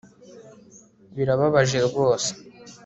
Birababaje rwose